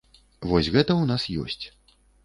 Вось гэта ў нас ёсць.